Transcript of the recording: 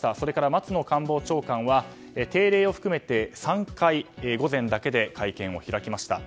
松野官房長官は定例を含め３回午前だけで会見を開きました。